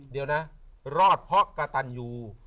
เดี๋ยวนะรอดเพราะกระตันยู